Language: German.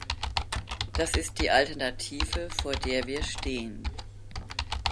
Das ist die Alternative, vor der wir stehen.